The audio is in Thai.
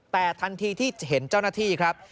แต่ทันทีที่เห็นเจ้าหน้าที่ครับ